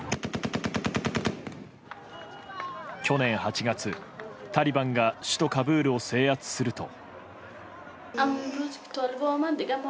去年８月、タリバンが首都カブールを制圧すると。